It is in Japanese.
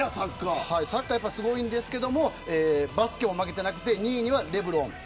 サッカーすごいんですけどバスケも負けていなくて２位にはレブロン。